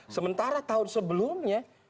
sementara tahun sebelumnya